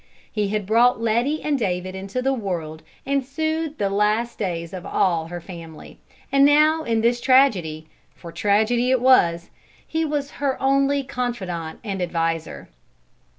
He had brought Letty and David into the world and soothed the last days of all her family, and now in this tragedy for tragedy it was he was her only confidant and adviser.